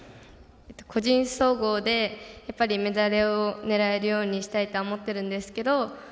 個人総合でメダルを狙えるようにしたいとは思っているんですけど。